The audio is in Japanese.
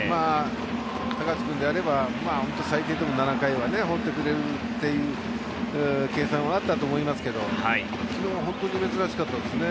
高橋君であれば最低でも７回は放ってくれるという計算はあったと思いますけど昨日は本当に珍しかったですね。